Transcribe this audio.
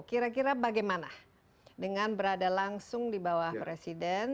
kira kira bagaimana dengan berada langsung di bawah presiden